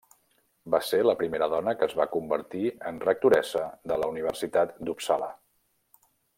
Va ser la primera dona que es va convertir en rectoressa de la Universitat d'Uppsala.